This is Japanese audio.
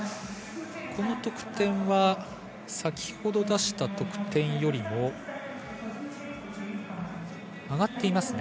この得点は、先ほど出した得点よりも上がっていますね。